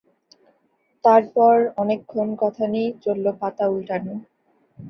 তারপর অনেকক্ষন কথা নেই, চলল পাতা ওলটানো।